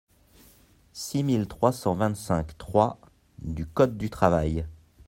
six mille trois cent vingt-cinq-trois du code du travail.